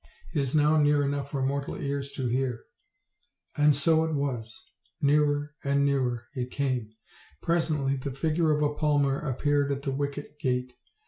it is >now near enough for mortal ears to hear." And so it was; nearer and nearer it came. Presently the figure of a palmer appeared at the wicket gate.